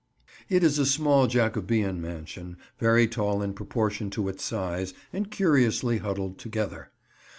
It is a small Jacobean mansion, very tall in proportion to its size, and curiously huddled together.